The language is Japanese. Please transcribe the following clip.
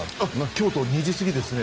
京都、２時過ぎですね。